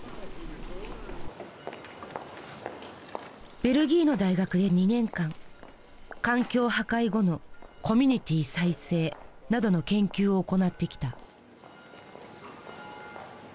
ベルギーの大学で２年間環境破壊後のコミュニティー再生などの研究を行ってきた。